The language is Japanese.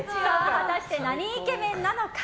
果たして、なにイケメンなのか。